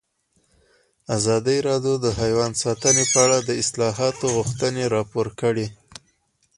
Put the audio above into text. ازادي راډیو د حیوان ساتنه په اړه د اصلاحاتو غوښتنې راپور کړې.